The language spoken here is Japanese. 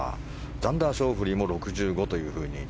ザンダー・ショーフリーも６５というふうに。